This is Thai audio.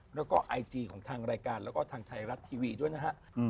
แล้วก็ไอจีของทางรายการแล้วก็ทางไทยรัฐทีวีด้วยนะฮะ